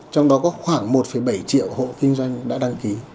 trong đó có khoảng một bảy triệu hộ kinh doanh đã đăng ký